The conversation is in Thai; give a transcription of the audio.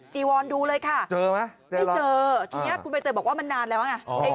ทีนี้คุณใบเตยบอกว่ามันนานแล้วไง